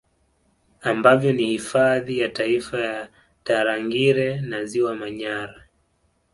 Ambavyo ni Hifadhi ya Taifa ya Tarangire na Ziwa Manyara